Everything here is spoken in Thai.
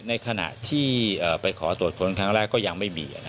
ในขณะที่ไปขอตรวจค้นครั้งแรกก็ยังไม่มี